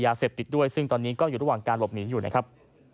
ยาเสพติดด้วยซึ่งตอนนี้ก็อยู่ระหว่างการหลบหนีอยู่นะครับ